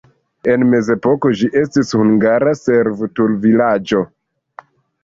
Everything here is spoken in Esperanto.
En mezepoko ĝi estis hungara servutul-vilaĝo.